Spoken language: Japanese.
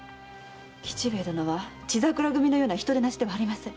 吉兵衛殿は血桜組のような人でなしではありません。